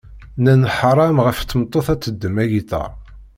Nnan ḥṛam ɣef tmeṭṭut ad teddem agiṭar.